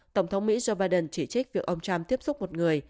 tổng thống mỹ joe biden chỉ trích việc ông trump tiếp xúc một người